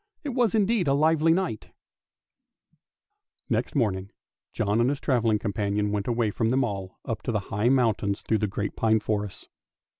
It was indeed a lively night ! Next morning John and his travelling companion went away from them all, up the high mountains and through the great pine forests.